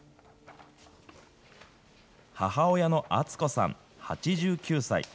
母親の惇子さん８９歳。